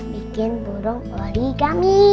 bikin burung origami